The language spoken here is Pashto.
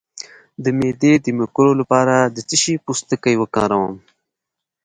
د معدې د مکروب لپاره د څه شي پوستکی وکاروم؟